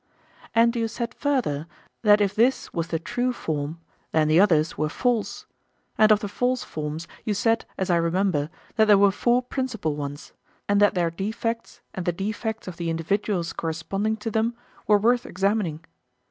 And you said further, that if this was the true form, then the others were false; and of the false forms, you said, as I remember, that there were four principal ones, and that their defects, and the defects of the individuals corresponding to them, were worth examining.